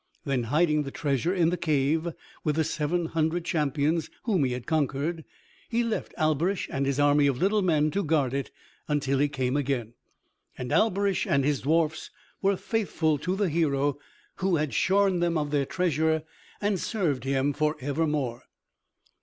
Then hiding the treasure in the cave with the seven hundred champions whom he had conquered, he left Alberich and his army of little men to guard it, until he came again. And Alberich and his dwarfs were faithful to the hero who had shorn them of their treasure, and served him for evermore.